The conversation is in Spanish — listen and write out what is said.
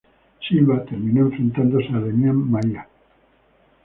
Silva terminó enfrentándose a Demian Maia.